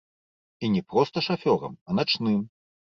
І не проста шафёрам, а начным.